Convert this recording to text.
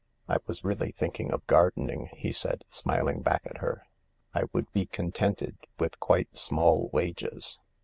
" I was really thinking of gardening," he said, smiling back at her. " I would be contented with quite small wages.